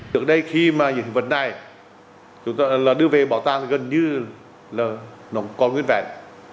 trước đây khi mà hiện vật này chúng ta là đưa về bảo tàng gần như là nó còn nguyên vẹn